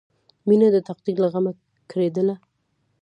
مینه د تقدیر له غمه کړېدله